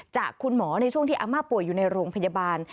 จากคุณหมอในช่วงที่อาม่าป่วยอยู่ในโรงพยาบาล